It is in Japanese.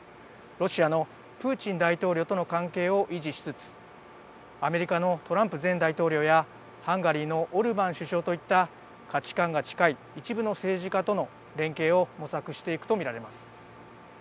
ロシアのプーチン大統領との関係を維持しつつアメリカのトランプ前大統領やハンガリーのオルバン首相といった価値観が近い一部の政治家との連携を模索していくと見られます。